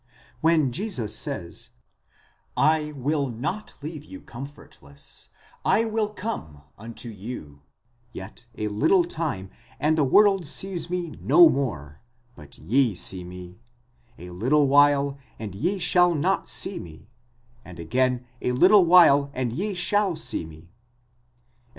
When Jesus says: I will not leave you comfortless, I will come unto you ; yet a little time, and the world sees me no more, but ye see me; a little while, and ye shall not see me, and again a little while and ye shall see me, etc.